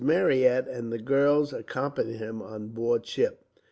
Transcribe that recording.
Marryat and the girls accompanied him on board ship.